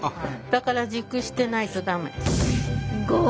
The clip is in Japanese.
だから熟してないと駄目。